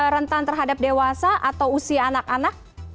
rentan terhadap dewasa atau usia anak anak